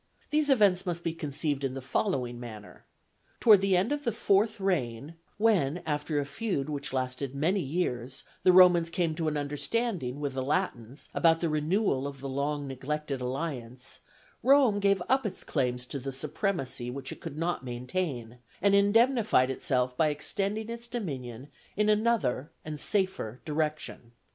These events must be conceived in the following manner: Toward the end of the fourth reign, when, after a feud which lasted many years, the Romans came to an understanding with the Latins about the renewal of the long neglected alliance, Rome gave up its claims to the supremacy which it could not maintain, and indemnified itself by extending its dominion in another and safer direction.